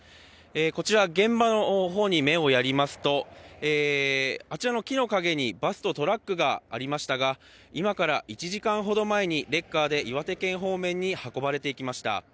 こちら現場の方に目をやりますとこちらの木の陰にバスとトラックがありましたが今から１時間ほど前にレッカーで岩手県方面に運ばれていきました。